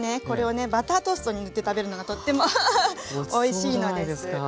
これをねバタートーストに塗って食べるのがとってもアハハおいしいのです。